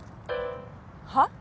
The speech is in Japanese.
はっ？